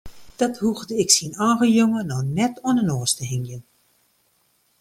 Dat hoegde ik syn eigen jonge no net oan de noas te hingjen.